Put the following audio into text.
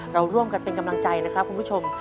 เราร่วมกันเป็นกำลังใจนะครับคุณผู้ชม